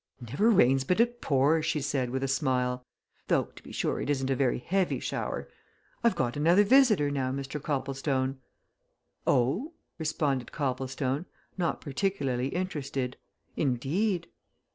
"Never rains but it pours!" she said with a smile. "Though, to be sure, it isn't a very heavy shower. I've got another visitor now, Mr. Copplestone." "Oh?" responded Copplestone, not particularly interested. "Indeed!"